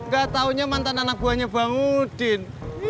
gak taunya mantan anak gua nya bang udin